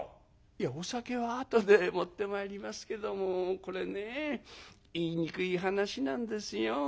「いやお酒はあとで持ってまいりますけどもこれね言いにくい話なんですよ」。